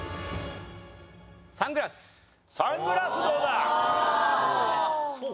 サングラスどうだ？